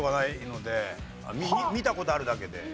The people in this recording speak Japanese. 見た事あるだけで。